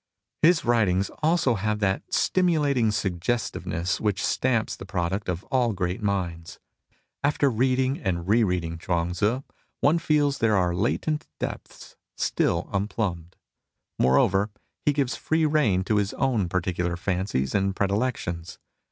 His writings also have that stimulating suggesti^eness which stamps the product of all great minds. After reading and re reading Chuang Tzu, one feels there are latent depths still unplumbed. Moreover, he gives free rein to his own particular fancies and pre dilections.